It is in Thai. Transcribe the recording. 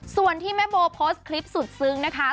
ส่วนที่แม่โบโพสต์คลิปสุดซึ้งนะคะ